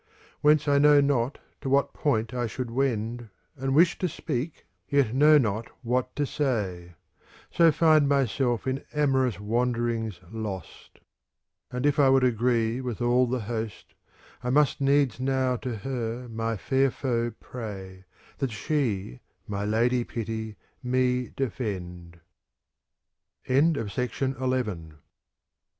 Whence I know not to what point I should wend. And wish to speak, yet know not what to say: i° So find myself in amorous wanderings lost. And if I would agree with all the host, I must needs now to her my fair foe pray, That she, my Lady Pity, me defend. SONNET VI From V. N.